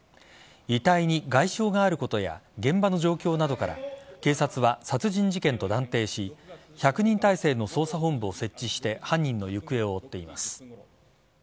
遺体に外傷があることや現場の状況などから警察は殺人事件と断定し１００人態勢の捜査本部を設置して犯人の行方を追っています。